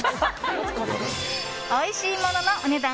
おいしいもののお値段